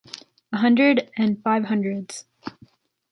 A hundred and five hundreds